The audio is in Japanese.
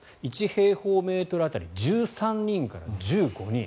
１平方メートル当たり１３人から１５人。